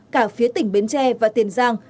cả phía tỉnh bến tre và tiền giang